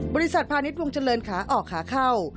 พาณิชยวงเจริญขาออกขาเข้า